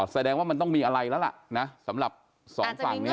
แสดงว่ามันต้องมีอะไรละละสำหรับสองฝั่งเนี่ย